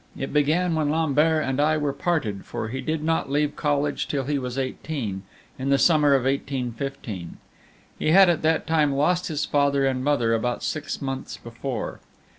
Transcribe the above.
It began when Lambert and I were parted, for he did not leave college till he was eighteen, in the summer of 1815. He had at that time lost his father and mother about six months before.